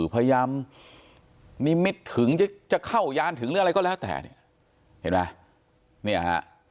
พยายามนิมิตถึงจะเข้ายานถึงหรืออะไรก็แล้วแต่เนี่ยเห็นไหมเนี่ยฮะ